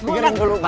dengarkan dulu pak